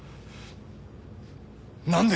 なんで！？